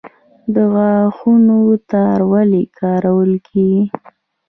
د غاښونو تار ولې کارول کیږي؟